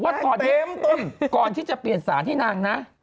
ว่าตอนนี้ก่อนที่จะเปลี่ยนสารให้นางนะ